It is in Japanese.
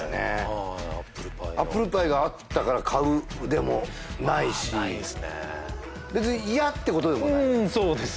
はいアップルパイアップルパイがあったから買うでもないし別に嫌ってことでもないそうです